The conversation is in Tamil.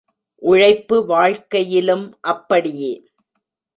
உழைப்பு வாழ்க்கையிலும் அப்படியே!